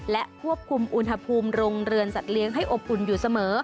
และควบคุมอุณหภูมิโรงเรือนสัตว์เลี้ยงให้อบอุ่นอยู่เสมอ